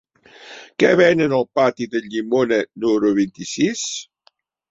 Què venen al pati d'en Llimona número vint-i-sis?